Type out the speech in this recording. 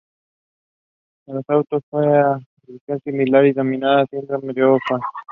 En adultos una afección similar se denomina síndrome de Hoffman.